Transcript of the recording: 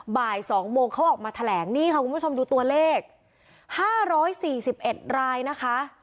บ่ายสองโมงเขาออกมาแถลงนี่ค่ะคุณผู้ชมดูตัวเลขห้าร้อยสี่สิบเอ็ดรายนะคะ